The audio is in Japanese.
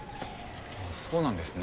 あそうなんですね。